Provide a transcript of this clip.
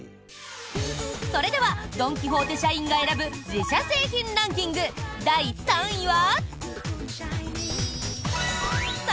それではドン・キホーテ社員が選ぶ自社製品ランキング第３位は。